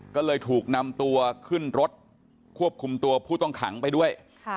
ก็เลยถูกนำตัวขึ้นรถควบคุมตัวผู้ต้องขังไปด้วย